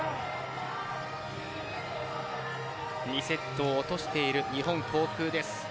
２セットを落としている日本航空です。